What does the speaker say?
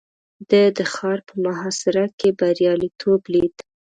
ده د ښار په محاصره کې برياليتوب ليد.